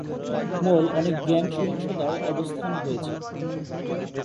মোল অনেক গ্যাং সহিংসতার অবস্থান হয়েছে।